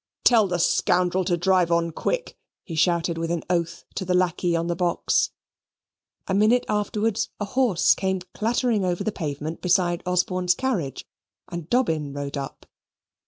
"Tell the scoundrel to drive on quick," he shouted with an oath, to the lackey on the box. A minute afterwards, a horse came clattering over the pavement behind Osborne's carriage, and Dobbin rode up.